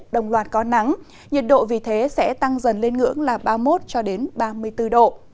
đồng loạt có nắng nhiệt độ vì thế sẽ tăng dần lên ngưỡng là ba mươi một cho đến ba mươi bốn độ